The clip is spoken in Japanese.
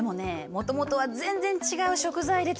もともとは全然違う食材で作ってたの。